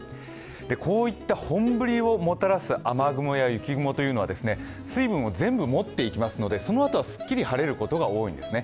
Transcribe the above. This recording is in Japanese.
こういった本降りをもたらす雨雲や雪雲というのは水分を全部持っていきますのでそのあとはすっきり晴れることが多いんですね。